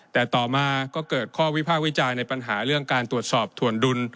แต่ต่อมาก็เกิดข้อวิพากษ์วิจารณ์ในปัญหาเรื่องการตรวจสอบถ่วนดุล